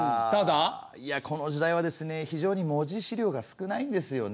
いやこの時代はですね非常に文字資料が少ないんですよね。